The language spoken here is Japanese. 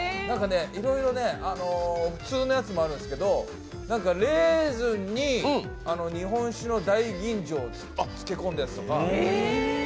いろいろ普通のやつもあるんですけどレーズンに日本酒の大吟醸を漬け込んだやつとか。